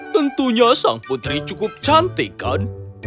tentunya sang putri cukup cantik kan